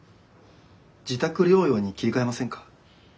自宅療養に切り替えませんか？